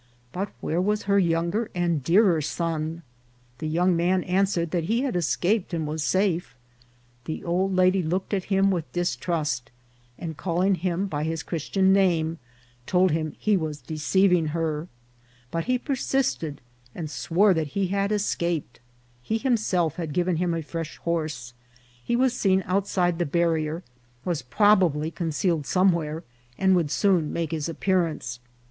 But where was her younger and dearer son ? The young man answered that he had escaped and was safe. The old lady looked at him with dis trust, and, calling him by his Christian name, told him he was deceiving her ; but he persisted and swore that he had escaped ; he himself had given him a fresh horse ; he was seen outside the barrier, was probably conceal ed somewhere, and would soon make his appearance.